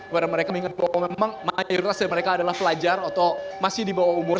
karena mereka mengingat bahwa memang mayoritas dari mereka adalah pelajar atau masih di bawah umur